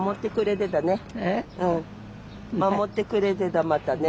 守ってくれてたまだね。